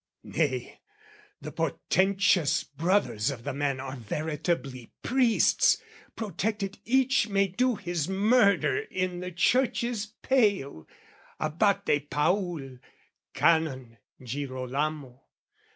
Nay, the portentous brothers of the man Are veritably priests, protected each May do his murder in the Church's pale, Abate Paul, Canon Girolamo!